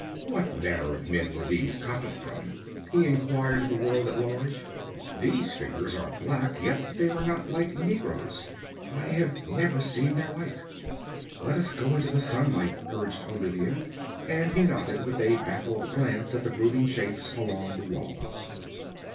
'What manner of men were these copied from?' he inquired of the world at large. 'These figures are black, yet they are not like negroes. I have never seen their like.' 'Let us go into the sunlight,' urged Olivia, and he nodded, with a baffled glance at the brooding shapes along the walls.